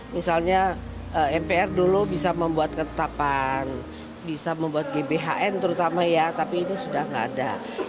misalnya mpr dulu bisa membuat ketetapan bisa membuat gbhn terutama ya tapi ini sudah tidak ada